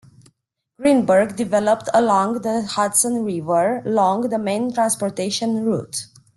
Greenburgh developed along the Hudson River, long the main transportation route.